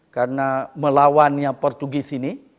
karena melawannya portugis ini